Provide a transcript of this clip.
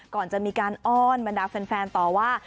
ก่อนจะมีการอ้อนบรรดาแฟนต่อว่า